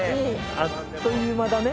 あっという間だね。